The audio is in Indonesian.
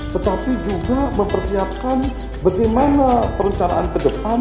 tetapi juga mempersiapkan bagaimana perencanaan ke depan